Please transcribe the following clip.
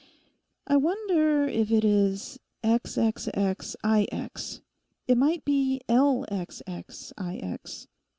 'I wonder if it is XXXIX.; it might be LXXIX.